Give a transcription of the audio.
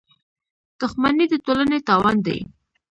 • دښمني د ټولنې تاوان دی.